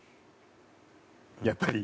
やっぱり？